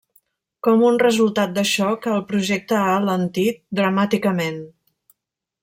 Com un resultat d'això que el projecte ha alentit dramàticament.